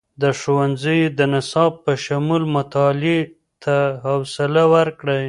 د ښوونځیو د نصاب په شمول، مطالعې ته خوصله ورکړئ.